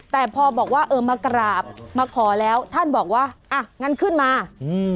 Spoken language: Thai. แต่พอบอกว่าเออมากราบมาขอแล้วท่านบอกว่าอ่ะงั้นขึ้นมาอืม